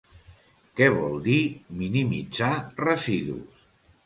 Què vol dir minimitzar residus?